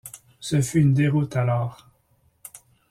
Ce fut une déroute alors.